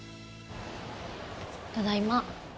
ただいま。